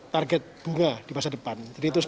target bunga di masa depan